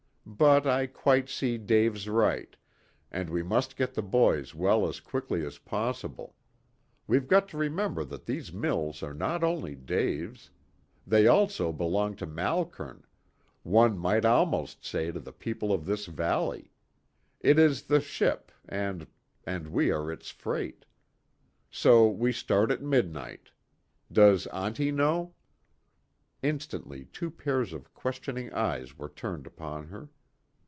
But I quite see Dave's right, and we must get the boys well as quickly as possible. We've got to remember that these mills are not only Dave's. They also belong to Malkern one might almost say to the people of this valley. It is the ship, and and we are its freight. So we start at midnight. Does auntie know?" Instantly two pairs of questioning eyes were turned upon her.